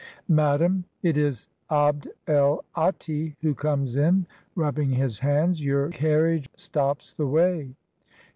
''Madam," — it is Abd el Atti who comes in, rubbing his hands, — "your carriage stops the way."